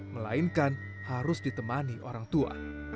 melainkan harus ditemani orang tua